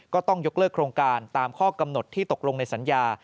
ต้องยกเลิกโครงการตามข้อกำหนดที่ตกลงในสัญญา